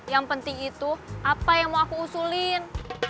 yang penting itu apa yang mau aku usulin